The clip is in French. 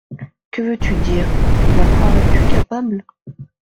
Que veux-tu dire ? la croirais-tu capable ?…